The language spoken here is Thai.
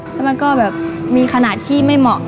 แล้วมันก็แบบมีขนาดที่ไม่เหมาะ